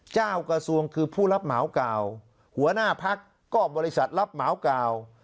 เจ้ากระทรวงคือผู้รับเหมาก่าวหัวหน้าพักก็บริษัทรับเหมาก่าว